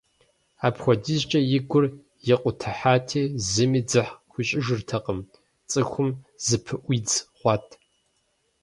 Апхуэдизкӏэ и гур икъутыхьати, зыми дзыхь хуищӏыжыртэкъым, цӏыхум зыпыӏуидз хъуат.